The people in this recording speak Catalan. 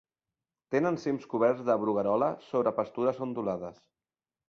Tenen cims coberts de bruguerola sobre pastures ondulades.